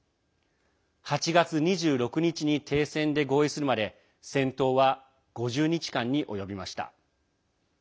８月２６日に停戦で合意するまで戦闘は５０日間に及びました。